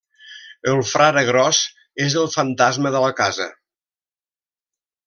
El frare gros és el fantasma de la casa.